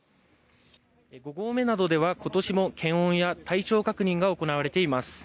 ５合目などでは、ことしも検温や体調確認が行われています。